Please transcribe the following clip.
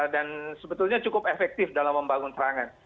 dan sebetulnya cukup efektif dalam membangun perangai